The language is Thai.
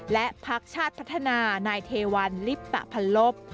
และพักชาติพัฒนานายเทวันลิปตะพันลบ